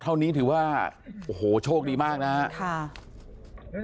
เท่านี้ถือว่าโอ้โหโชคดีมากนะครับ